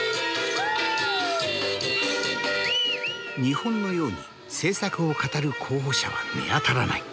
日本のように政策を語る候補者は見当たらない。